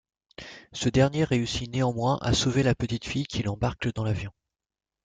Ce dernier réussit néanmoins à sauver la petite fille, qu'il embarque dans l'avion.